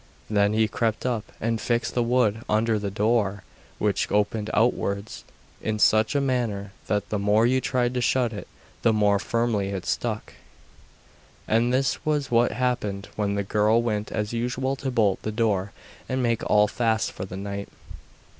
Then he crept up and fixed the wood under the door, which opened outwards, in such a manner that the more you tried to shut it the more firmly it stuck. And this was what happened when the girl went as usual to bolt the door and make all fast for the night.